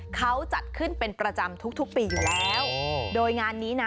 เขาจัดขึ้นเป็นประจำทุกปีอยู่แล้วโดยงานนี้นะ